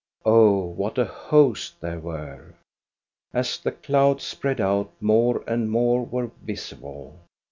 Oh, what a host there were ! As the clouds spread out, more and more were visible.